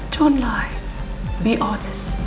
john lai berhati hati